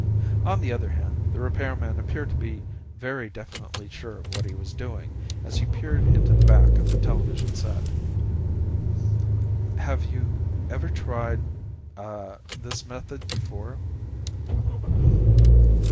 On the other hand, the repairman appeared to be very definitely sure of what he was doing, as he peered into the back of the television set. "Have you ever tried ... ah, this method before?"